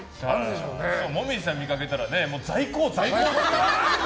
紅葉さんを見かけたら在庫。